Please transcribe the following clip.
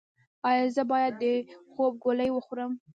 ایا زه باید د خوب ګولۍ وخورم؟